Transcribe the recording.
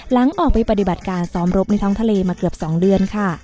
หลังออกไปปฏิบัติการซ้อมรบในท้องทะเลมาเกือบ๒เดือนค่ะ